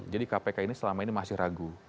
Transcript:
jadi kpk ini selama ini masih ragu